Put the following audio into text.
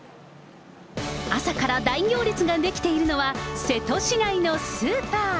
朝から大行列が出来ているのは、瀬戸市内のスーパー。